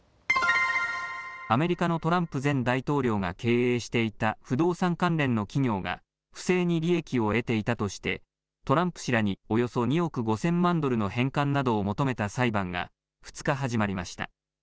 アメリカのトランプ前大統領が経営していた不動産関連の企業が不正に利益を得ていたとしてトランプ氏らにおよそ２億５０００万ドルの返還などを求めた裁判が２日、始まりました。